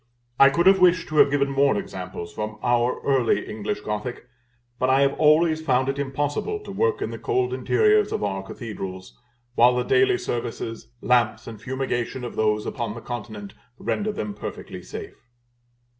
I could have wished to have given more examples from our early English Gothic; but I have always found it impossible to work in the cold interiors of our cathedrals, while the daily services, lamps, and fumigation of those upon the Continent, render them perfectly safe.